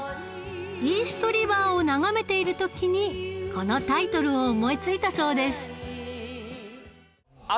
イーストリバーを眺めている時にこのタイトルを思いついたそうです